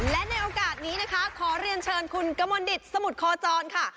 และในโอกาสนี้นะคะขอเรียนเชิญคุณกมลดิตสมุทรโคจรค่ะ